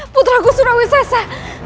putraku surawi sese